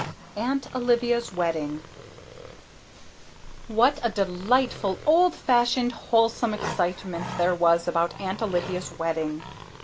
AUNT OLIVIA'S WEDDING What a delightful, old fashioned, wholesome excitement there was about Aunt Olivia's wedding!